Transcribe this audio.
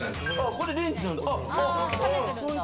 これレンジなんだ。